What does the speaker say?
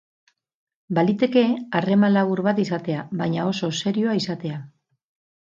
Baliteke harreman labur bat izatea, baina oso serioa izatea.